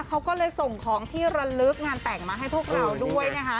เขาก็เลยส่งของที่ระลึกงานแต่งมาให้พวกเราด้วยนะคะ